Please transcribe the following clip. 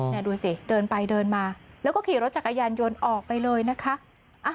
นี่ดูสิเดินไปเดินมาแล้วก็ขี่รถจักรยานยนต์ออกไปเลยนะคะ